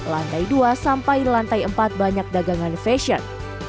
lantai dua sampai lantai empat banyak dagangan fashion